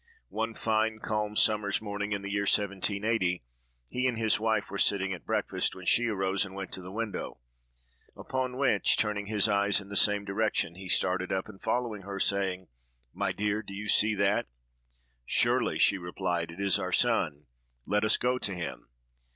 One fine, calm summer's morning, in the year 1780, he and his wife were sitting at breakfast, when she arose and went to the window; upon which, turning his eyes in the same direction, he started up and followed her, saying, "My dear, do you see that?"—"Surely," she replied, "it is our son. Let us go to him!"